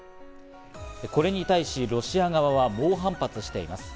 これに対しロシア側は猛反発しています。